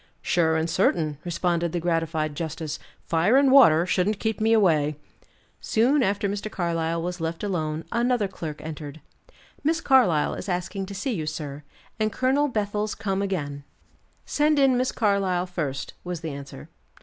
"Sure and certain," responded the gratified justice; "fire and water shouldn't keep me away." Soon after Mr. Carlyle was left alone another clerk entered. "Miss Carlyle is asking to see you, sir, and Colonel Bethel's come again." "Send in Miss Carlyle first," was the answer.